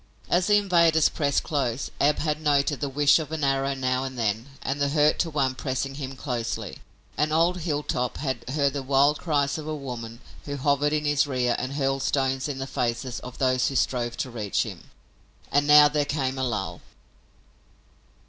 As the invaders pressed close Ab had noted the whish of an arrow now and then and the hurt to one pressing him closely, and old Hilltop had heard the wild cries of a woman who hovered in his rear and hurled stones in the faces of those who strove to reach him. And now there came a lull.